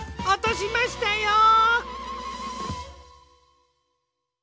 おとしましたよ。